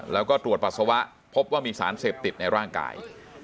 แล้วก็ตรวจปัสสาวะพบว่ามีสารเสพติดในร่างกาย